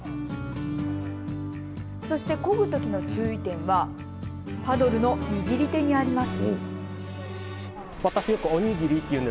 そしてこぐときの注意点はパドルの握り手にあります。